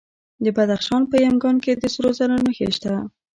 د بدخشان په یمګان کې د سرو زرو نښې شته.